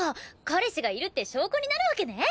彼氏がいるって証拠になるわけね。